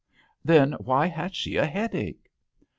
"Then why has she a head ache